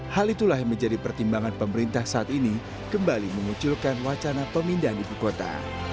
hal itulah yang menjadi pertimbangan pemerintah saat ini kembali memunculkan wacana pemindahan ibu kota